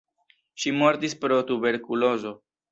Ŝi mortis pro tuberkulozo.